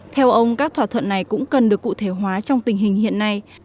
theo ông các thỏa thuận này cũng cần được cụ thể hóa trong tình hình hiện nay